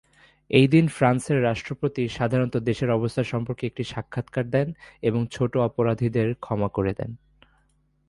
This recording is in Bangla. এই দিন ফ্রান্সের রাষ্ট্রপতি সাধারণত দেশের অবস্থা সম্পর্কে একটি সাক্ষাৎকার দেন এবং ছোট অপরাধীদের ক্ষমা করে দেন।